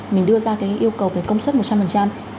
mình đưa ra cái yêu cầu về công suất một trăm linh